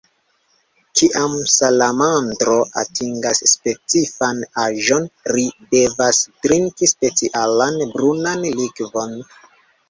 Kiam salamandro atingas specifan aĝon, ri devas trinki specialan brunan likvon.